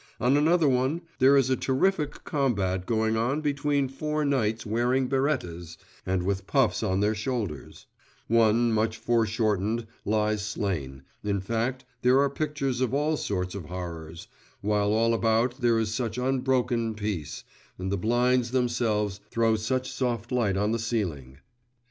On another one, there is a terrific combat going on between four knights wearing birettas, and with puffs on their shoulders; one, much foreshortened, lies slain in fact, there are pictures of all sorts of horrors, while all about there is such unbroken peace, and the blinds themselves throw such soft light on the ceiling.